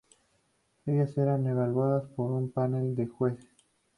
Ellas eran evaluadas por un panel de jueces.